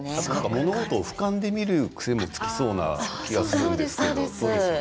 物事をふかんで見る癖もつきそうな気がします。